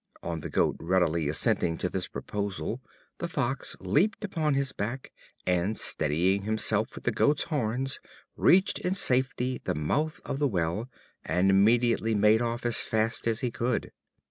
On the Goat readily assenting to this proposal, the Fox leaped upon his back, and steadying himself with the goat's horns reached in safety the mouth of the well, and immediately made off as fast as he could.